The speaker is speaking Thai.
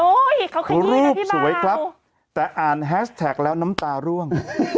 โอ๊ยเขาขยี้นะพี่บ่าวรูปสวยครับแต่อ่านแฮสแท็กแล้วน้ำตาร่วง